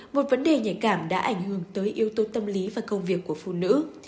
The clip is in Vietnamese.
một vấn đề nhạy cảm đã ảnh hưởng tới yếu tố tâm lý và công việc của phụ nữ